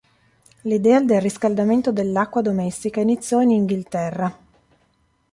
L'idea del riscaldamento dell'acqua domestica iniziò in Inghilterra.